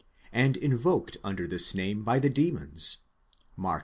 and invoked under this name by the demons (Mark i.